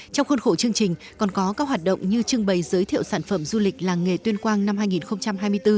trong khuôn khổ chương trình còn có các hoạt động như trưng bày giới thiệu sản phẩm du lịch làng nghề tuyên quang năm hai nghìn hai mươi bốn